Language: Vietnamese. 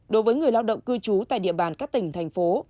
đối với người lao động cư trú tại địa bàn các tỉnh thành phố